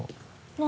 何？